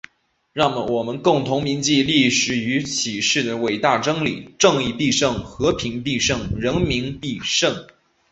让我们共同铭记历史所启示的伟大真理：正义必胜！和平必胜！人民必胜！